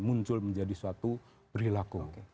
muncul menjadi suatu berlaku